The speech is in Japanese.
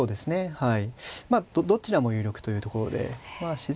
はい。